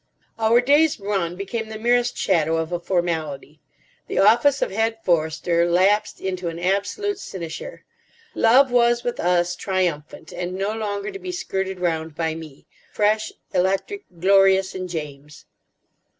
Our day's run became the merest shadow of a formality. The office of Head Forester lapsed into an absolute sinecure. Love was with us—triumphant, and no longer to be skirted round by me; fresh, electric, glorious in James.